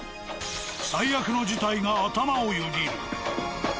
最悪の事態が頭をよぎる。